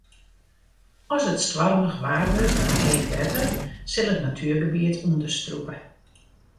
As it stoarmich waar wurdt mei heech wetter sil it natuergebiet ûnderstrûpe.